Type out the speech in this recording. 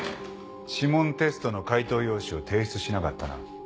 指紋テストの解答用紙を提出しなかったな。